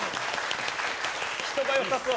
人がよさそう。